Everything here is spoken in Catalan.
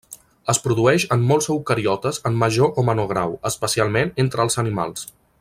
Es produeix en molts eucariotes en major o menor grau, especialment entre els animals.